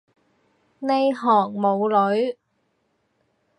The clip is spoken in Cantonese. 呢行冇女